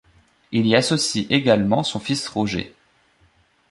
Il y associe également son fils Roger.